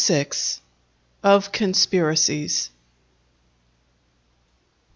—_Of Conspiracies.